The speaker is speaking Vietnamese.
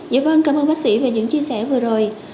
dạ vâng cảm ơn bác sĩ về những chia sẻ vừa rồi